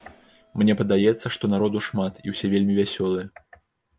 Мне падаецца, што народу шмат, і ўсе вельмі вясёлыя.